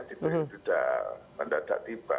tidak mendadak tiba